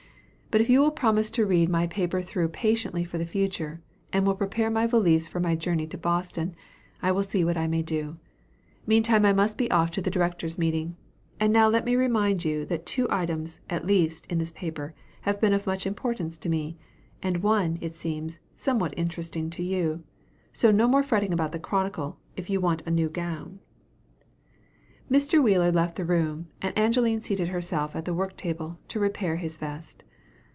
But if you will promise to read my paper through patiently for the future, and will prepare my valise for my journey to Boston, I will see what I may do. Meantime I must be off to the directors' meeting. And now let me remind you that two items, at least, in this paper, have been of much importance to me; and one, it seems, somewhat interesting to you. So no more fretting about the Chronicle, if you want a new gown." Mr. Wheeler left the room, and Angeline seated herself at the work table, to repair his vest.